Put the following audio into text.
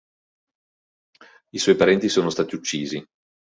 I suoi parenti sono stati uccisi.